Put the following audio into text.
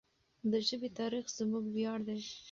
د ژبې تاریخ زموږ ویاړ دی.